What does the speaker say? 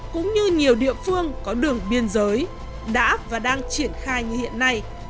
cũng như nhiều địa phương có đường biên giới đã và đang triển khai như hiện nay